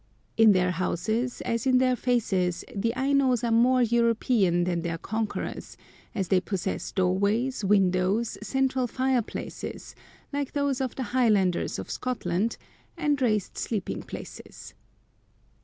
In their houses, as in their faces, the Ainos are more European than their conquerors, as they possess doorways, windows, central fireplaces, like those of the Highlanders of Scotland, and raised sleeping places.